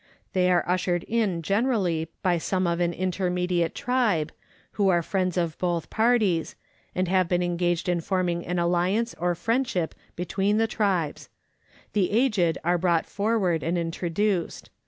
They are ushered in generally by some of an intermediate tribe, who are friends of both parties, and have been engaged in forming an alliance or friendship between the tribes ; the aged are brought forward and introduced.